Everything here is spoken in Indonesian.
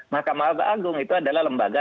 mahkamah agung itu adalah lembaga